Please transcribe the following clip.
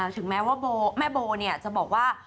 ถึงแม้ว่าแม่โบจะบอกว่า